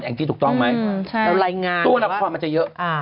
แอ็งจีดถูกต้องไหมตัวละครมันจะเยอะ